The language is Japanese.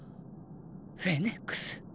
フェネクス。